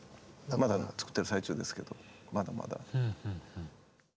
まだ作ってる最中ですけどまだまだ。